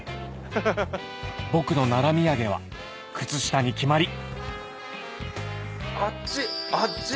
僕の奈良土産は靴下に決まり熱っち熱っち。